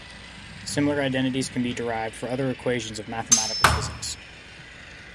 Similar identities can be derived for other equations of mathematical physics.